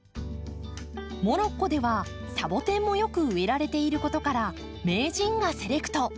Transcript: モロッコではサボテンもよく植えられていることから名人がセレクト。